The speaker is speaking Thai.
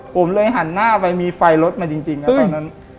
เออเออผมเลยหันหน้าไปมีไฟรถมาจริงจริงอ่ะตอนนั้น